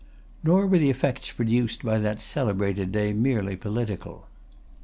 Nor were the effects produced by that celebrated day merely political.